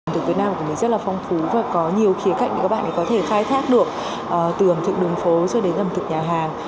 thực tế nào cũng rất là phong phú và có nhiều khía cạnh để các bạn có thể khai thác được từ ẩm thực đường phố cho đến ẩm thực nhà hàng